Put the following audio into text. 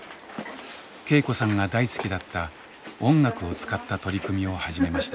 恵子さんが大好きだった音楽を使った取り組みを始めました。